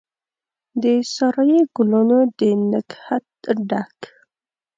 د سارایي ګلونو د نګهت ډک،